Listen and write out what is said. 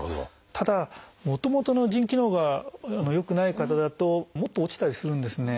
ただもともとの腎機能が良くない方だともっと落ちたりするんですね。